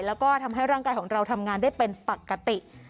แล้วก็ทำให้ร่างกายของเราทำงานได้เป็นปกติ